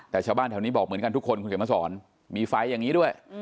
แต่ชาวบ้านแถวนี้บอกเหมือนกันทุกคนคุณเขียนมาสอนมีไฟอย่างนี้ด้วย